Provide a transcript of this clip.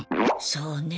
そうね。